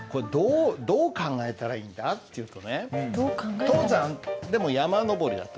どう考えたらいいんだっていうとね「登山」でも「山登り」だったでしょ？